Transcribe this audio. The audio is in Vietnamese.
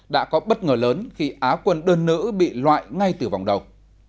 đã có bất ngờ lớn khi á quân đơn nữ bị loại ngay từ vòng đầu